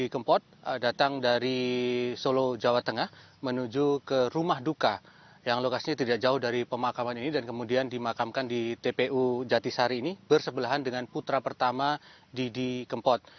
kita menuju ke rumah duka yang lokasinya tidak jauh dari pemakaman ini dan kemudian dimakamkan di tpu jatisari ini bersebelahan dengan putra pertama didi kempot